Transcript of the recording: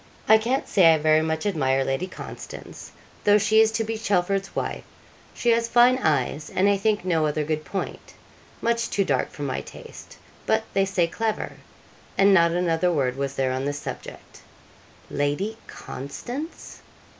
I can't say I very much admire Lady Constance, though she is to be Chelford's wife. She has fine eyes and I think no other good point much too dark for my taste but they say clever;' and not another word was there on this subject. 'Lady Constance!